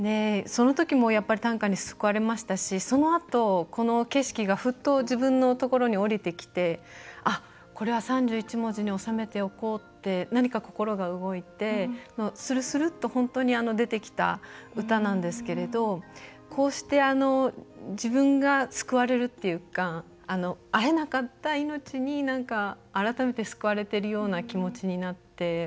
そのときも短歌に救われましたしそのあとも景色がふっと自分のところに降ってきましてこれは３１文字に収めていこうって何か心が動いて、するするっと出てきた歌なんですがこうして自分が救われるというか会えなかった命に、改めて救われてるような気持ちになって。